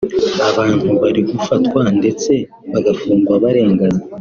abantu bari gufatwa ndetse bagafungwa barengana